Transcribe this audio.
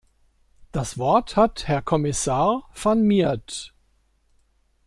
Das Wort hat Herr Kommissar Van Miert.